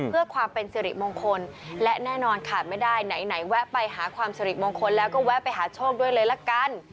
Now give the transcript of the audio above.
เพื่อความเป็นสืบมงคลและแน่นอนค่ะไม่ได้ไหนแหวะไปหาความสืบมงคลแล้วก็แวะไปอาจหาโชคด้วยค่ะ